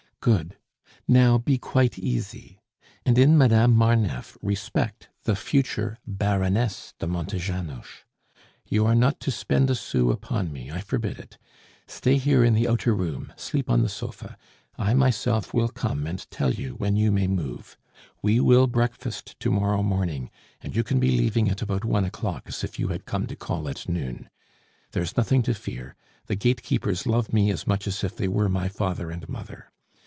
"Good. Now be quite easy. And in Madame Marneffe respect the future Baroness de Montejanos. You are not to spend a sou upon me; I forbid it. Stay here in the outer room; sleep on the sofa. I myself will come and tell you when you may move. We will breakfast to morrow morning, and you can be leaving at about one o'clock as if you had come to call at noon. There is nothing to fear; the gate keepers love me as much as if they were my father and mother.